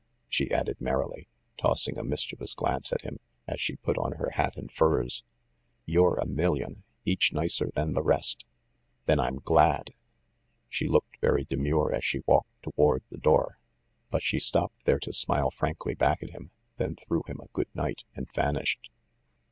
she added merrily, tossing a mischievous glance at him, as she put on her hat and furs. "You're a million ‚ÄĒ each nicer than the rest." "Then I'm glad!" She looked very demure as she walked toward the door ; but she stopped there to smile frankly back at him, then threw him a good night and vanished.